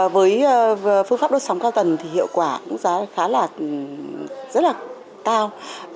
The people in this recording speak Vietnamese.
với phương pháp đốt sóng cao tần thì hiệu quả cũng khá là rất là cao